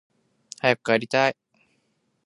早く帰りたい